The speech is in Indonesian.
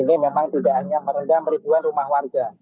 ini memang tidak hanya merendam ribuan rumah warga